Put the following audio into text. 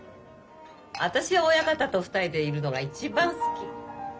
私は親方と２人でいるのが一番好き。